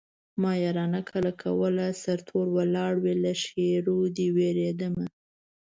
ما يارانه کله کوله سرتور ولاړ وې له ښېرو دې وېرېدمه